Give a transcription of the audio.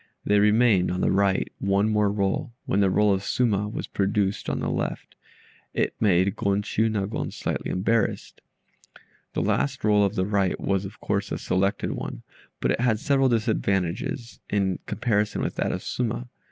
There remained, on the right, one more roll, when the roll of "Suma" was produced on the left. It made Gon Chiûnagon slightly embarrassed. The last roll of the right was, of course, a selected one, but it had several disadvantages in comparison with that of "Suma."